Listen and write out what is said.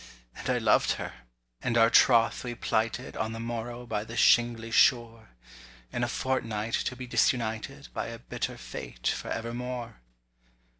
And I loved her, and our troth we plighted On the morrow by the shingly shore: In a fortnight to be disunited By a bitter fate for evermore.